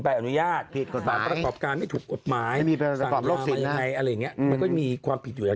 ข้าวใส่ไข่สบกว่าไข่ใหม่กว่าเดิมข้าวเวลา